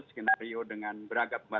skenario dengan beragam